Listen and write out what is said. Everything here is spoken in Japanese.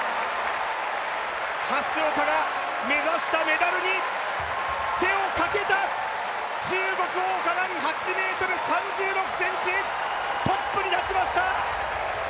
橋岡が目指したメダルに手をかけた、中国・王嘉男、８ｍ３６ｃｍ、トップに立ちました！